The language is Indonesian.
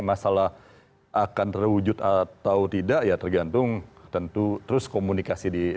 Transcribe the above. masalah akan terwujud atau tidak ya tergantung tentu terus komunikasi di